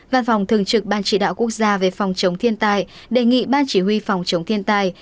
văn phòng thường trực ban chỉ đạo quốc gia về phòng chống thiên tai đề nghị ban chỉ huy phòng chống thiên tai